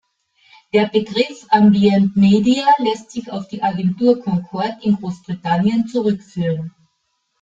Der Begriff Ambient Media lässt sich auf die Agentur "Concord" in Großbritannien zurückführen.